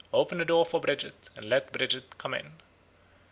Open the door for Bridget, and let Bridget come in.'